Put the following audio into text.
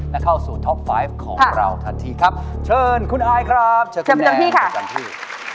และเข้าสู่ท็อปไฟฟ์ของเราทันทีครับเชิญคุณอายครับเชิญคุณแนนกับจันที่